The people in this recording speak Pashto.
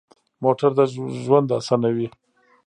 موټر د ژوند اسانوي.